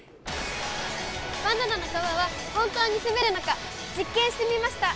バナナの皮は本当に滑るのか実験してみました！